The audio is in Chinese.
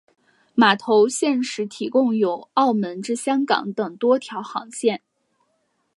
码头现时提供由澳门至香港等多条航线。